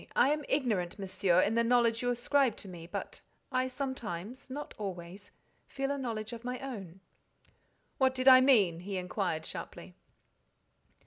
I am ignorant, Monsieur, in the knowledge you ascribe to me, but I sometimes, not always, feel a knowledge of my own." "What did I mean?" he inquired, sharply.